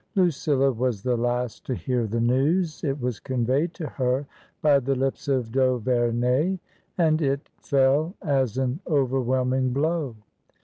Lucilla was the last to hear the news ; it was conveyed to her by the lips of d'Auverney, and it 228 TRANSITION. fell as an overwhelming blow.